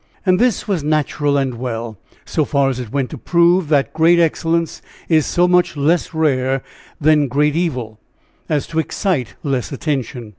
And this was natural and well, so far as it went to prove that great excellence is so much less rare than great evil, as to excite less attention.